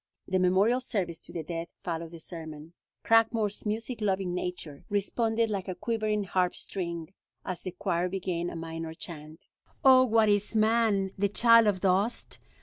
The memorial service to the dead followed the sermon. Cragmore's music loving nature responded like a quivering harp string as the choir began a minor chant: "Oh what is man, the child of dust?